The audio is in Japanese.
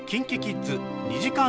ＫｉｎＫｉＫｉｄｓ２時間